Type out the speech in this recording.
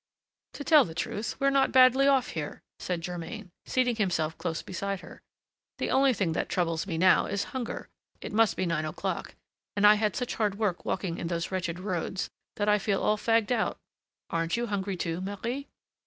"To tell the truth, we're not badly off here," said Germain, seating himself close beside her. "The only thing that troubles me now is hunger. It must be nine o'clock, and I had such hard work walking in those wretched roads, that I feel all fagged out. Aren't you hungry, too, Marie?"